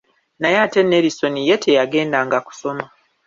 Naye ate Nelisoni ye teyagendanga kusoma.